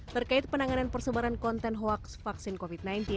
terkait penanganan persebaran konten hoax vaksin covid sembilan belas